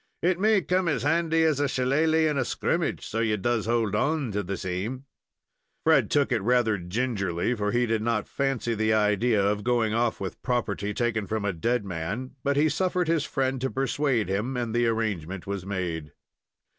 It may come as handy as a shillelah in a scrimmage, so ye does hold on to the same." Fred took it rather gingerly, for he did not fancy the idea of going off with property taken from a dead man, but he suffered his friend to pursuade him, and the arrangement was made.